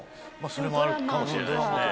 それもあるかもしれないですね。